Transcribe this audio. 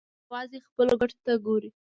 دوی یوازې خپلو ګټو ته ګوري.